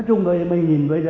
nói chung là mình nhìn bây giờ